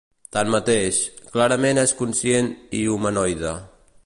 Tanmateix, clarament és conscient i humanoide.